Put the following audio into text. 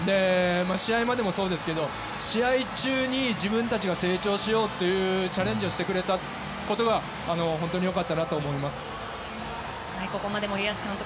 試合までもそうですけど試合中に自分たちが成長しようというチャレンジをしてくれたことがここまで森保監督